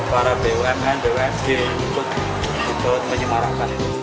para bumn bumg untuk menyimarakan itu